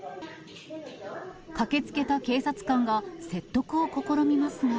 駆けつけた警察官が、説得を試みますが。